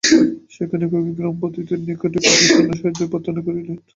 সেখানে কুকি-গ্রামপতিদের নিকটে কুকি-সৈন্য সাহায্য প্রার্থনা করিলেন।